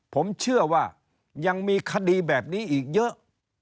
ผมเชื่อว่ายังมีคดีแบบนี้อีกเยอะ